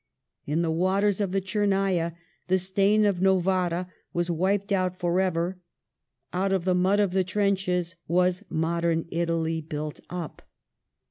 In the waters of the ' Tchernava the stain of Novara was wiped out for ever ; out of the inud of the trenches was modern Italy built up.